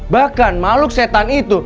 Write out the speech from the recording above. bahkan makhluk setan itu